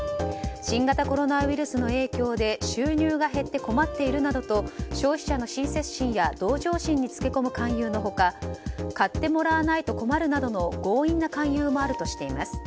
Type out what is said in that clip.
新型コロナウイルスの影響で収入が減って困っているなどと消費者の親切心や同情心につけ込む勧誘の他買ってもらわないと困るなどの強引な勧誘もあるとしています。